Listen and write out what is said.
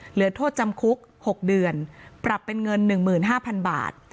เหลือโทษจำคุก๖เดือนปรับเป็นเงิน๑๕๐๐๐บาท